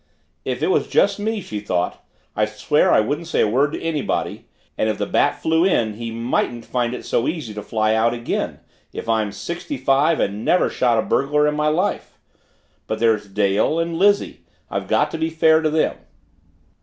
If it was just me, she thought, I swear I wouldn't say a word to anybody and if the Bat flew in he mightn't find it so easy to fly out again, if I am sixty five and never shot a burglar in my life! But there's Dale and Lizzie. I've got to be fair to them.